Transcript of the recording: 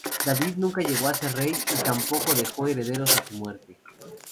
David nunca llegó a ser rey, y tampoco dejó herederos a su muerte.